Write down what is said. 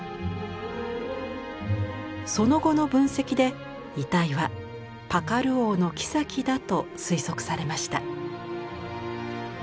その後の分析で遺体はパカル王のきさきだと推測されました。